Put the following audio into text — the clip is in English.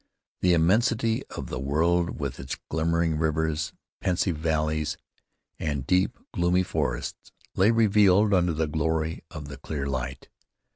The immensity of the world with its glimmering rivers, pensive valleys and deep, gloomy forests lay revealed under the glory of the clear light.